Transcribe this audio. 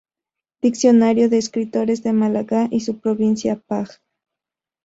Diccionario de escritores de Málaga y su provincia, pág.